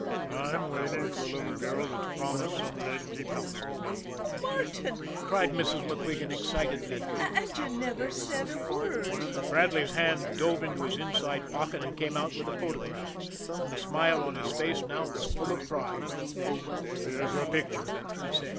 "I'm waiting for a little girl that's promised some day to keep house for me." "Oh, Martin!" cried Mrs. MacQuigan excitedly. "And and you never said a word!" Bradley's hand dove into his inside pocket and came out with a photograph and the smile on his face now was full of pride. "Here's her picture," he said.